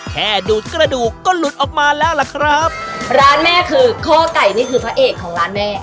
ดูดกระดูกก็หลุดออกมาแล้วล่ะครับร้านแม่คือข้อไก่นี่คือพระเอกของร้านแม่